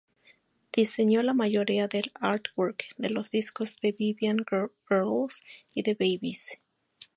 Diseñó la mayoría del "artwork" de los discos de Vivian Girls y The Babies.